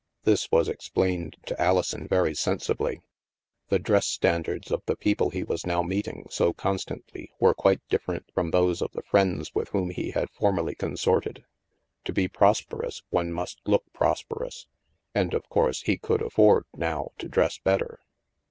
This was explained to Alison very sensibly; the dress stand ards of the people he was now meeting so constantly were quite different from those of the friends with whom he had formerly consorted. To be prosper ous, one must look prosperous. And, of course, he could afford, now, to dress better.